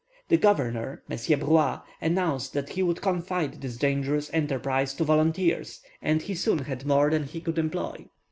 The governor, Monsieur Bruat, announced that he would confide this dangerous enterprise to volunteers, and he soon had more than he could employ.